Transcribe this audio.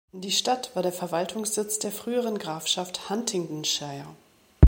Die Stadt war der Verwaltungssitz der früheren Grafschaft Huntingdonshire.